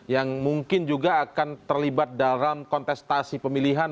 yang mungkin juga akan terlibat dalam kontestasi pemilihan